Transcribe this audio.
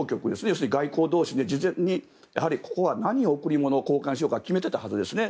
要するに外交同士で事前にここは何を贈り物を交換しようか決めていたはずですね。